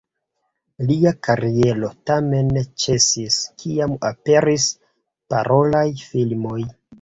Lia kariero tamen ĉesis, kiam aperis parolaj filmoj.